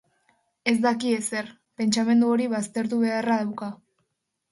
Ez daki ezer... pentsamendu hori baztertu beharra dauka.